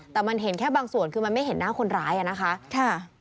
แต่มันเห็นแค่บางส่วนคือมันไม่เห็นหน้าคนร้ายอ่ะนะคะ